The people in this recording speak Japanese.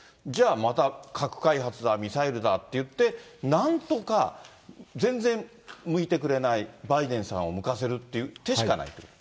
じゃあまた核開発だ、ミサイルだっていって、なんとか、全然向いてくれないバイデンさんを向かせるって手しかないと。